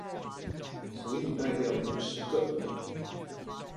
所以賣掉五十個